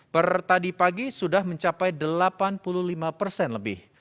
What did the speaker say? pertadi pagi sudah mencapai delapan puluh lima persen lebih